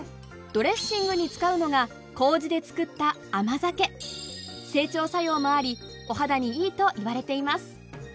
ドレッシングに使うのが整腸作用もありお肌にいいといわれています